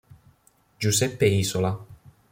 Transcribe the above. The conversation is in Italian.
Giuseppe Isola